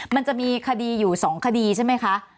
มันจะมีคดีอยู่๒คดีใช่ไหมคะ